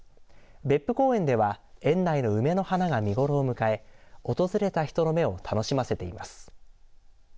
別府公園では園内の梅の花が見頃を迎え訪れた人の目を楽しませています。